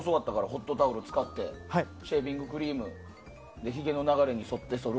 ホットタオルを使ってシェービングクリームでひげの流れに沿って、そる。